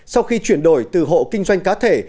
sau khi chuyển đổi từ hộ kinh doanh cá thể